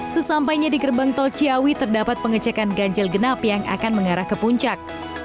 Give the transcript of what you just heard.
sesampainya di gerbang tol ciawi terdapat pengecekan ganjil genap yang akan mengarah ke puncak